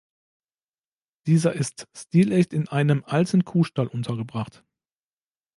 Dieser ist stilecht in einem alten Kuhstall untergebracht.